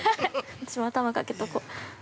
◆私も頭かけとこう。